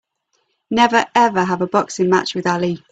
Never ever have a boxing match with Ali!